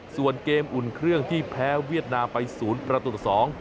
ส่วนเกมอุ่นเครื่องที่แพ้เวียดนามไปศูนย์ประตูต่อสอง